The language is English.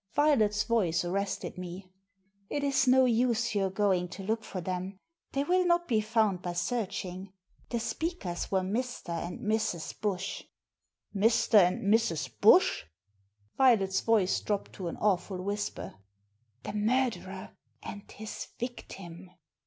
Violet's voice arrested me. It is no use your going to look for them. They will not be found by searching. The speakers were Mr. and Mrs. Bush." "Mr. and Mrs. Bush?" " Violet's voice dropped to an awful whisper. " The murderer and his victim."